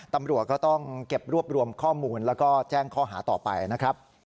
ตำรวจก็ต้องเก็บรวบรวมข้อมูลแล้วก็แจ้งข้อหาต่อไปนะครับ